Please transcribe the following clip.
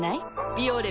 「ビオレ」